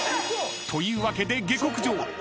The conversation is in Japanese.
というわけで下克上！］